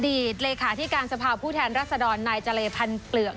อดีตเลยค่ะที่การสภาพผู้แทนรัศดรนายจาเลพันเปลือง